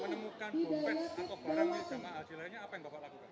menemukan bompes atau barangnya jamaah haji lainnya apa yang dapat dilakukan